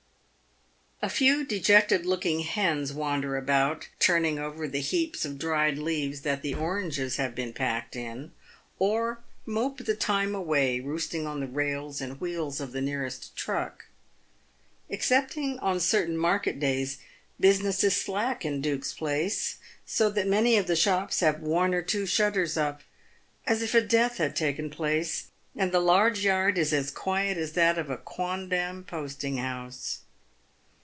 A few dejected looking hens wander about, turning over the heaps of dried leaves that the oranges have been packed in, or mope the time away roosting on the rails and wheels of the nearest truck. Excepting on certain market days, business is slack in Duke's place, so that many of the shops have one or two shut ters up, as if a death had taken place, and the large yard is as quiet as that of a quondam posting house.